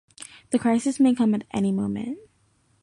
The crisis may come at any moment.